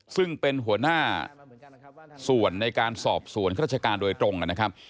ซึ่งเป็นหัวหน้าส่วนในการสอบสวนข้าราชการโดยตรงนะครับ